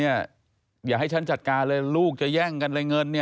อย่าให้ฉันจัดการเลยลูกจะแย่งกันเลยเงิน